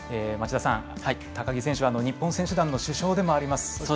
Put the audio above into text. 町田さん、高木選手は日本選手団の主将でもあります。